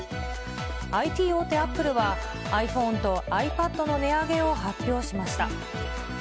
ＩＴ大手、アップルはｉＰｈｏｎｅとｉＰａｄの値上げを発表しました。